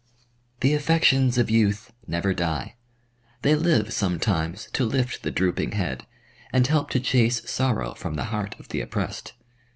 The affections of youth never die. They live sometimes to lift the drooping head, and help to chase sorrow from the heart of the oppressed.